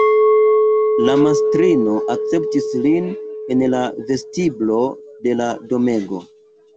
La mastrino akceptis lin en la vestiblo de la domego.